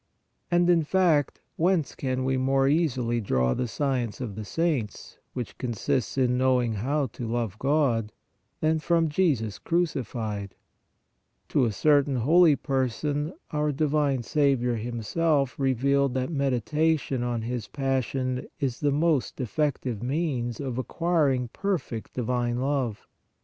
And, in fact, whence can we more easily draw the science PIOUS READING 169 of the saints, which consists in knowing how to love God, than from Jesus crucified? To a cer tain holy person our divine Saviour Himself re vealed that meditation on His passion is the most effective means of acquiring perfect divine love.